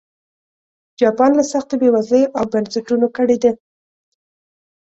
جاپان له سختې بېوزلۍ او بنسټونو کړېده.